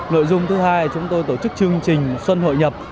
nội dung thứ hai chúng tôi tổ chức chương trình xuân hội nhập